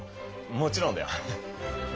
もちろんだよ。